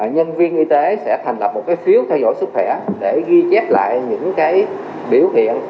nhân viên y tế sẽ thành lập một phiếu theo dõi sức khỏe để ghi chép lại những biểu hiện